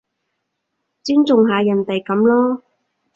尊重下人哋噉囉